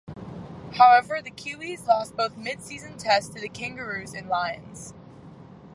However the Kiwis lost both mid-season tests to the Kangaroos and Lions.